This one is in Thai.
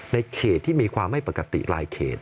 ในเขตที่มีความไม่ปกติหลายเขต